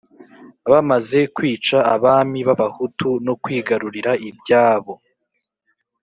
Bamaze kwica Abami b'Abahutu no kwigarurira ibyabo